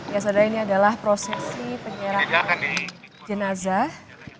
ya saudara ini adalah prosesi penyerahan jenazah